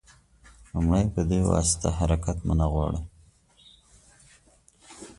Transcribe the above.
لومړی په دې واسطه حرکت مو نه غواړو.